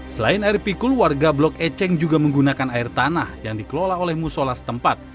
selain air pikul warga blok eceng juga menggunakan air tanah yang dikelola oleh musola setempat